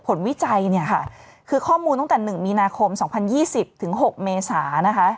ผลวิจัยคือข้อมูลตั้งแต่๑มีนาคม๒๐๒๐ถึง๖เมษา